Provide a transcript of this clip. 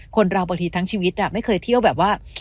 คนเราบางทีทั้งชีวิตไม่เคยเที่ยวแบบว่า